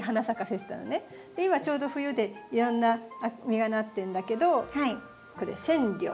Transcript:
今ちょうど冬でいろんな実がなってるんだけどこれセンリョウ。